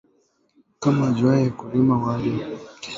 Kama aujuwe ku rima wende ufunde vile bana rimaka